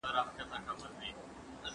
د زیربناوو نشتوالی لوی غیر اقتصادي خنډ دی.